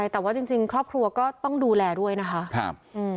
แต่ว่าจริงครอบครัวก็ต้องดูแลด้วยนะคะ